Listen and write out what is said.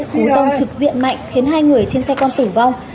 cú tông trực diện mạnh khiến hai người trên xe con tử vong